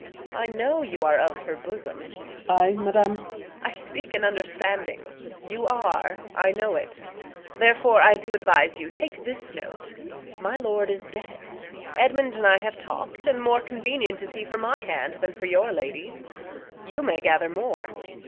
I know you are of her bosom. Osw. I, madam? Reg. I speak in understanding. Y'are! I know't. Therefore I do advise you take this note. My lord is dead; Edmund and I have talk'd, And more convenient is he for my hand Than for your lady's. You may gather more.